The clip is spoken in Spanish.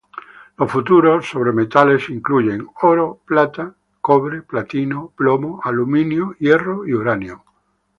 Los futuros sobre metales incluyen: oro, plata, cobre, platino, plomo, aluminio, hierro y uranio.